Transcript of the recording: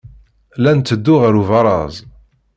La netteddu ɣer ubaraz.